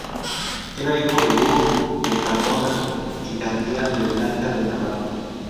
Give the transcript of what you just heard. Era hijo de Hugo de Cardona y Gandía y de Blanca de Navarra.